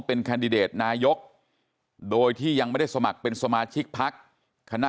เป็นแคนดิเดตนายกโดยที่ยังไม่ได้สมัครเป็นสมาชิกพักคณะ